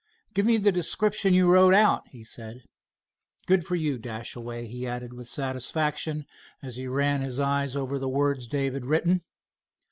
"Give me the description you wrote out," he said. "Good for you, Dashaway," he added with satisfaction, as he ran his eye over the words Dave had written.